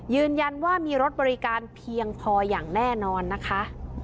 ยืนยันว่ามีรถบริการเพียงพออย่างแน่นอนนะคะ